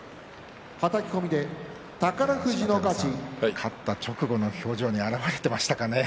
勝った直後の表情に表れていましたかね。